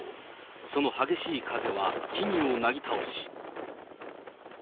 その激しい風は木々をなぎ倒し。